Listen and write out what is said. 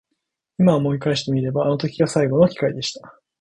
今思い返してみればあの時が最後の機会でした。